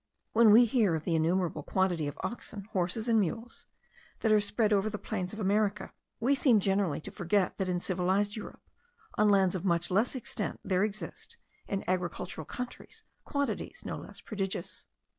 When we hear of the innumerable quantity of oxen, horses, and mules, that are spread over the plains of America, we seem generally to forget that in civilized Europe, on lands of much less extent, there exist, in agricultural countries, quantities no less prodigious.